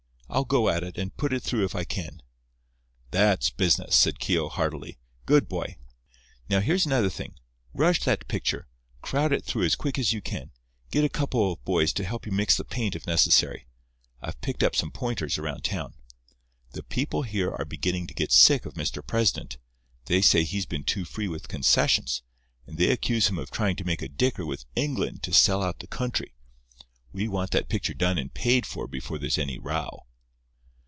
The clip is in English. I'll go at it, and put it through if I can." "That's business," said Keogh heartily. "Good boy! Now, here's another thing—rush that picture—crowd it through as quick as you can. Get a couple of boys to help you mix the paint if necessary. I've picked up some pointers around town. The people here are beginning to get sick of Mr. President. They say he's been too free with concessions; and they accuse him of trying to make a dicker with England to sell out the country. We want that picture done and paid for before there's any row."